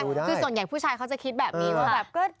นี่ไงคือส่วนใหญ่ผู้ชายเขาจะคิดแบบนี้